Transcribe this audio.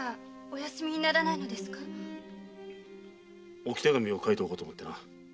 置き手紙を書いておこうと思ってな。